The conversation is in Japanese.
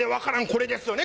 これですよね